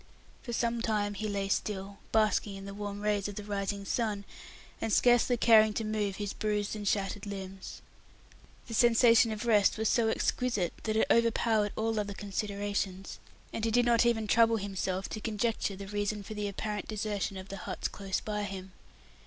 For some time he lay still, basking in the warm rays of the rising sun, and scarcely caring to move his bruised and shattered limbs. The sensation of rest was so exquisite, that it overpowered all other considerations, and he did not even trouble himself to conjecture the reason for the apparent desertion of the huts close by him.